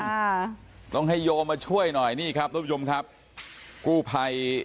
ค่ะต้องให้โยมมาช่วยหน่อยนี่ครับทุกผู้ชมครับกู้ภัย